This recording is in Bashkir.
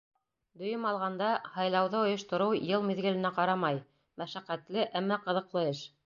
Дөйөм алғанда, һайлауҙы ойоштороу йыл миҙгеленә ҡарамай: мәшәҡәтле, әммә ҡыҙыҡлы эш.